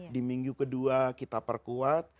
di minggu kedua kita perkuat